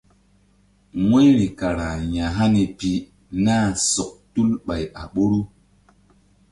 Wu̧yri kara ya̧hani pi nah sɔk tul ɓay a ɓoru.